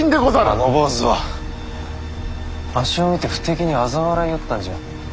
あの坊主はわしを見て不敵にあざ笑いよったんじゃ。